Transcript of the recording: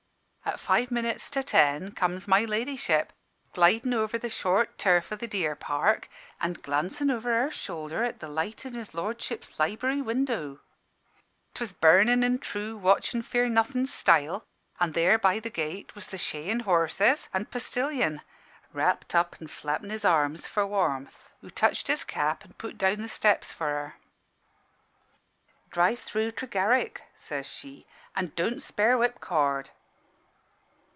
"At five minutes to ten comes my ladyship, glidin' over the short turf o' the deer park, an' glancin' over her shoulder at the light in his lordship's libery window. 'Twas burnin' in true watch an' fear nothin' style, an' there, by the gate, was the shay and horses, and postillion, wrapped up and flapping his arms for warmth, who touched his cap and put down the steps for her. "'Drive through Tregarrick,' says she, 'an' don't spare whip cord.'